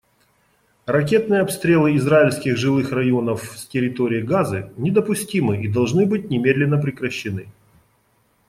Ракетные обстрелы израильских жилых районов с территории Газы недопустимы и должны быть немедленно прекращены.